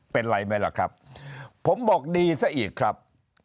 เป็นไรไหมล่ะครับผมบอกดีซะอีกครับ